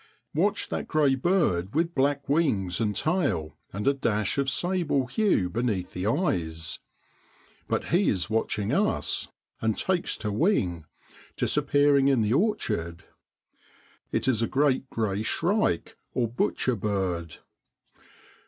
Watch that grey bird, with black wings and tail, and a dash of sable hue beneath the eyes ! But he's watching us and takes to wing, disappearing in the orchard. It is a great grey shrike, or butcher bird.